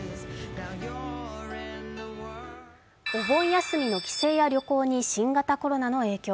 お盆休みの帰省や旅行に新型コロナの影響。